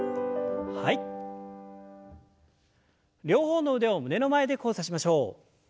両方の腕を胸の前で交差しましょう。